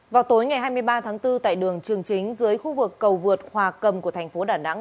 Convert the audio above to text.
vào tối ngày hai mươi ba tháng bốn tại đường trường chính dưới khu vực cầu vượt hòa cầm của thành phố đà nẵng